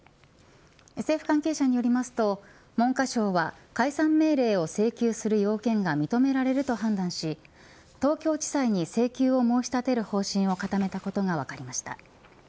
政府関係者によりますと文科省は解散命令を請求する要件が認められると判断し東京地裁に請求を申し立てる方針を固めたことが分かりました。